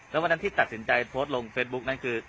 แล้ววันนั้นที่ตัดสินใจโพสต์ลงเฟซบุ๊กนั้นคือ